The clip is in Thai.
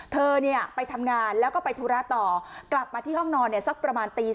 เธอเนี่ยไปทำงานแล้วก็ไปธุระต่อกลับมาที่ห้องนอนเนี่ยสักประมาณตี๓